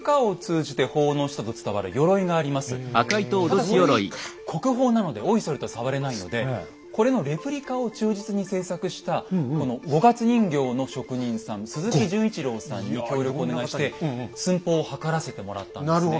ただこれ国宝なのでおいそれと触れないのでこれのレプリカを忠実に製作したこの五月人形の職人さん鈴木順一朗さんに協力をお願いして寸法を測らせてもらったんですね。